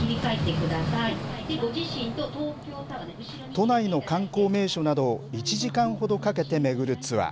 都内の観光名所などを１時間ほどかけて巡るツアー。